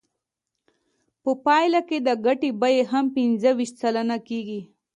په پایله کې د ګټې بیه هم پنځه ویشت سلنه کېږي